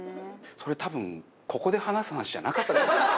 それ多分ここで話す話じゃなかったと思いますね。